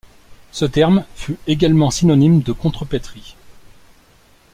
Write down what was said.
Ce terme fut également synonyme de contrepèterie.